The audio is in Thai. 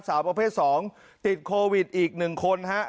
สาวประเภท๒ติดโควิดอีก๑คนครับ